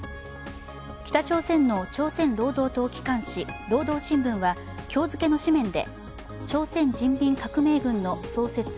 北朝鮮の朝鮮労働党機関紙「労働新聞」は今日付の紙面で朝鮮人民革命軍の創設